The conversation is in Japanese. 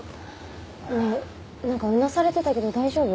ねえなんかうなされてたけど大丈夫？